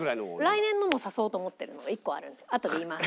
来年のも誘おうと思ってるのが１個あるんであとで言います。